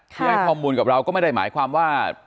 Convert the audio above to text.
ที่ให้ข้อมูลกับเราก็ไม่ได้หมายความว่า